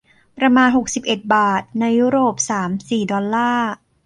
ประมาณ หกสิบเจ็ด บาท ในยุโรป สาม สี่ ดอลลาร์